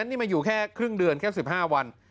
นี่มาอยู่แค่ครึ่งเดือนแค่๑๕วัน